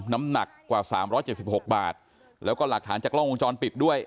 น้ำหนักกว่าสามร้อยเจ็ดสิบหกบาทแล้วก็หลักฐานจากล่องวงจรปิดด้วย